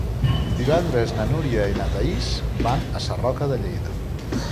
Divendres na Núria i na Thaís van a Sarroca de Lleida.